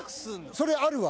それあるわ！